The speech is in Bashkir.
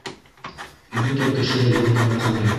Бөтә кеше лә еңел уҡымай.